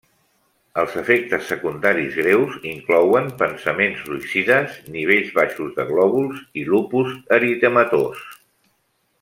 Els efectes secundaris greus inclouen pensaments suïcides, nivells baixos de glòbuls i lupus eritematós.